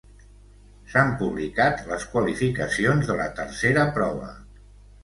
S'han publicat les qualificacions de la tercera prova.